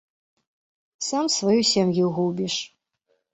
Сам сваю сям'ю губіш.